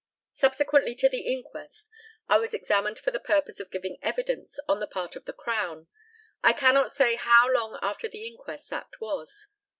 Subsequently to the inquest I was examined for the purpose of giving evidence on the part of the Crown. I cannot say how long after the inquest that was.